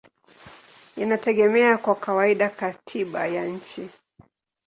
inategemea kwa kawaida katiba ya nchi.